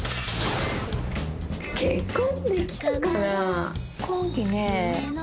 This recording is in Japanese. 結婚できるかな？